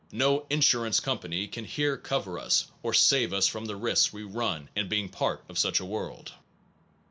No insurance company can here cover us or save us from the risks we run in being part of such a world.